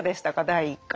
第１回。